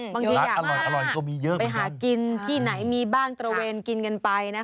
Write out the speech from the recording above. บางทีอยากไปหากินที่ไหนมีบ้างตระเวนกินกันไปนะคะ